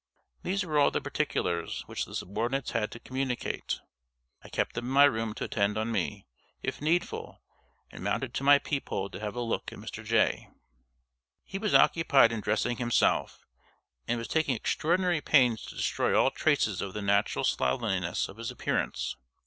These were all the particulars which the subordinates had to communicate. I kept them in my room to attend on me, if needful, and mounted to my peep hole to have a look at Mr. Jay. He was occupied in dressing himself, and was taking extraordinary pains to destroy all traces of the natural slovenliness of his appearance.